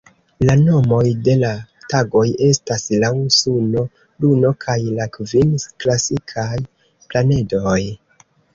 La nomoj de la tagoj estas laŭ suno, luno kaj la kvin klasikaj planedoj.